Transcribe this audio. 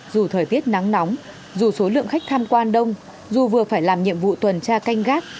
dù thời tiết nắng nóng dù số lượng khách tham quan đông dù vừa phải làm nhiệm vụ tuần tra canh gác